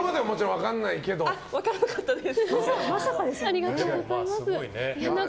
分からなかったです。